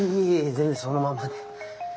全然そのままで。